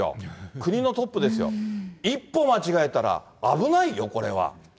国のトップですよ、一歩間違えたら危ないよ、これは。